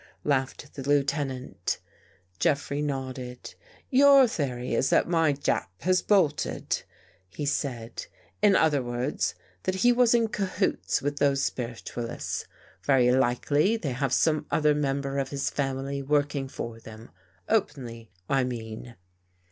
" laughed the Lieuten ant. Jeffrey nodded. "Your theory is that my Jap has bolted," he said. " In other words, that he was in cahoots with those spiritualists. Very likely they have some other member of his family working for them — openly, I mean."